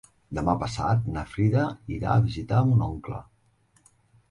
Demà passat na Frida irà a visitar mon oncle.